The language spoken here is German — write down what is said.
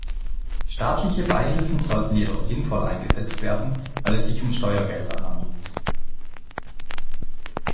Staatliche Beihilfen sollten jedoch sinnvoll eingesetzt werden, weil es sich um Steuergelder handelt.